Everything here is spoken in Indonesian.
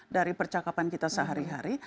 dari percakapan kita sehari hari